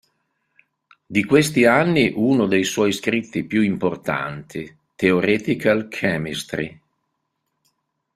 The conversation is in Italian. Di questi anni uno dei suoi scritti più importanti: "Theoretical Chemistry".